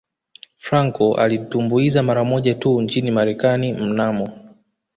Franco alitumbuiza mara moja tu nchini Marekani mnamo